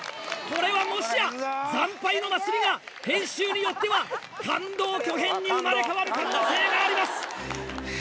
これはもしや、惨敗の祭りが、編集によっては、感動巨編に生まれ変わる可能性があります。